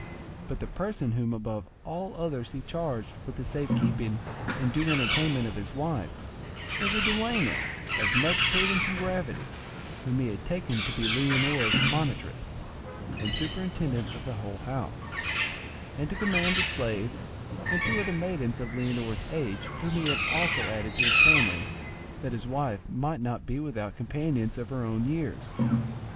But the person whom above all others he charged with the safe keeping and due entertainment of his wife was a dueña of much prudence and gravity, whom he had taken to be Leonora's monitress, and superintendent of the whole house, and to command the slaves and two other maidens of Leonora's age whom he had also added to his family, that his wife might not be without companions of her own years.